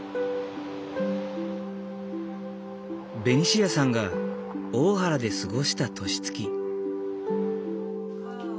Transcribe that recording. ベニシアさんが大原で過ごした年月。